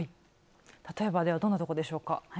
例えばどんなところでしょうか？